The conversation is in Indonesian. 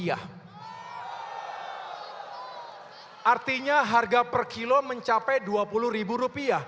artinya harga per kilo mencapai rp dua puluh